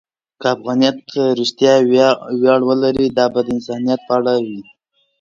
که افغانیت رښتیا ویاړ ولري، دا به د انسانیت په اړه وي.